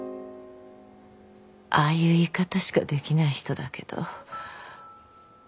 ああいう言い方しかできない人だけど責めないで。